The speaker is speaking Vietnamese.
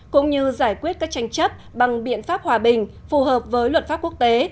cũng như giải quyết các tranh chấp bằng biện pháp hòa bình phù hợp với luật pháp quốc tế